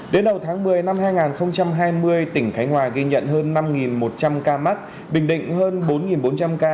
đến đầu tháng một mươi năm hai nghìn hai mươi tỉnh khánh hòa ghi nhận hơn năm một trăm linh ca mắc